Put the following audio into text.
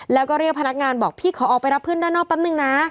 แล้วก็เรียกพนักงานบอกพี่ขอออกไปรับเพื่อนด้านนอกแป๊บนึงนะ